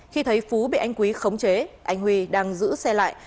khi thấy phú bị anh quý khống chế anh huy đang giữ xe lại